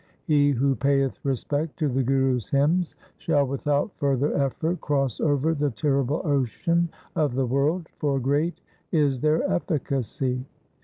He who payeth respect to the Guru's hymns shall without further effort cross over the terrible ocean of the world, for great is their efficacy.